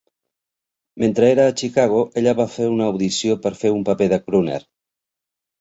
Mentre era a Chicago, ella va fer una audició per fer un paper de crooner.